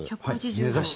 目指して。